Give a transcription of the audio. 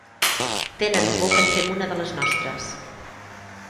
Tenen por que en fem una de les nostres.